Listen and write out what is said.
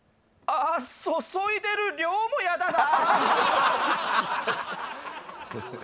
あ注いでる量もやだな